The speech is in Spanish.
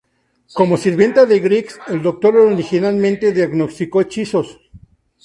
Como sirvienta de Griggs, el doctor originalmente diagnosticó hechizos.